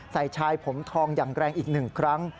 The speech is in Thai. ชายผมทองอย่างแรงอีก๑ครั้ง